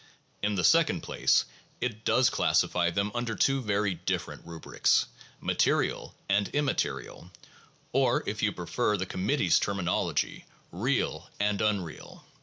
In the second place, it does classify them under two very different rubrics 'material' and 'im material,' or, if you prefer the Committee's terminology, 'real' and 'unreal.'